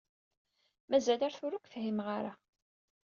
Mazal ar tura ur k-fhimeɣ ara.